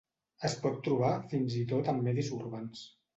Es pot trobar fins i tot en medis urbans.